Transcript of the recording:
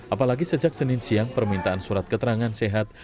apalagi sejak senin siang permintaan surat keterangan sehat